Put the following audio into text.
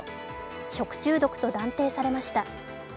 食中毒と断定されました。